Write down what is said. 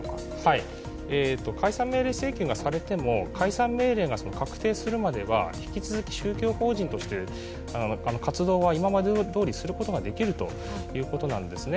はい、解散命令請求がされても解散命令が確定するまでは引き続き宗教法人として活動は今までどおりすることができるということなんですね。